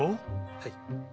はい。